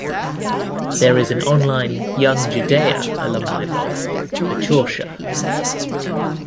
There is an online Young Judaea alumni blog, the Chorsha.